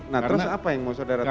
nah terus apa yang mau saudara tahu